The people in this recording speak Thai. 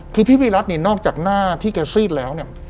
คือพี่วิรัตินี่นอกจากหน้าที่แกซีดแล้วเนี่ย